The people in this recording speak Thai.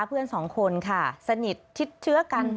เพื่อนสองคนค่ะสนิทชิดเชื้อกัน